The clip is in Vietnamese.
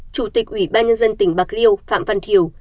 chủ tịch ủy ban nhân dân tỉnh bạc liêu phạm văn thiều